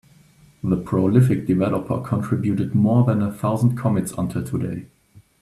The prolific developer contributed more than a thousand commits until today.